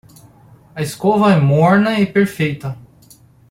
A escova é morna e perfeita